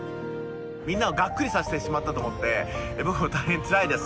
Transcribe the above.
みんなをがっくりさせてしまったと思って僕も大変つらいです。